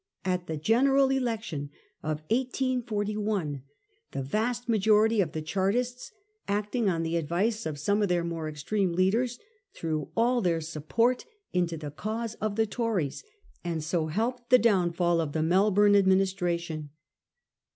At the general election of 1841, the vast majority of the Chartists, acting on the advice of some of their more extreme leaders, threw all their support into the cause of the Tories, and so helped the downfall of the Melbourne Administration.